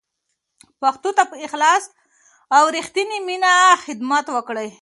پښتو ته په اخلاص او رښتینې مینه خدمت وکړئ.